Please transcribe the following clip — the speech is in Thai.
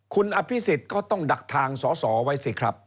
คุณอภิษฎก็ต้องดักทางสอสอไว้สิครับ